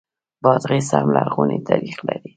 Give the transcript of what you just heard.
بادغیس هم لرغونی تاریخ لري